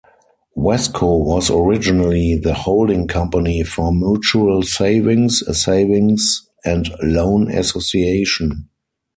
Wesco was originally the holding company for Mutual Savings, a savings and loan association.